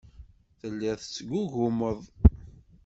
Telliḍ tettgugumeḍ.